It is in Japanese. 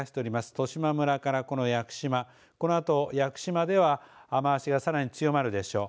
十島村から屋久島、このあと屋久島では雨足がさらに強まるでしょう。